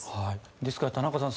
ですから、田中さん